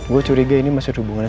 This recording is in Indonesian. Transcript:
gue curiga ini masih hubungannya